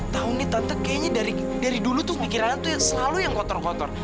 tau nih tante kayaknya dari dulu tuh mikirannya selalu yang kotor kotor